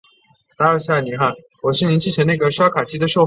因华人血统而成为中华队一员。